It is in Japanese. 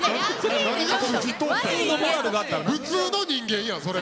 普通の人間やんそれ。